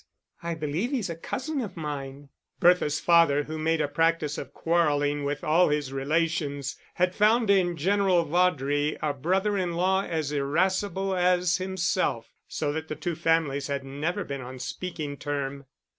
"I believe he's a cousin of mine." Bertha's father, who made a practice of quarrelling with all his relations, had found in General Vaudrey a brother in law as irascible as himself; so that the two families had never been on speaking term.